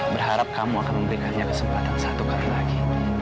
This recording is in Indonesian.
berharap kamu akan memberikannya kesempatan satu kali lagi